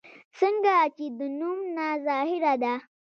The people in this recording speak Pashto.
څنګه چې د نوم نه ظاهره ده